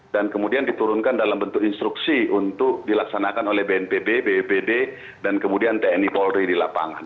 dan kemudian diturunkan dalam bentuk instruksi untuk dilaksanakan oleh bnpb bpd dan kemudian tni polri di lapangan